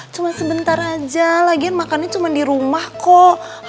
cuman sebentar aja lagian makannya cuman di rumah kok